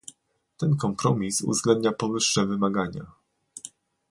Ten kompromis uwzględnia powyższe wymagania